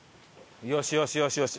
よしよしよしよし。